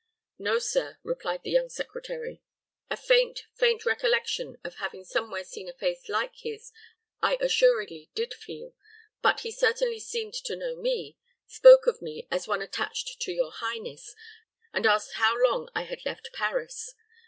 "No, sir," replied the young secretary. "A faint, faint recollection of having somewhere seen a face like his I assuredly did feel; but he certainly seemed to know me, spoke of me as one attached to your highness, and asked how long I had left Paris.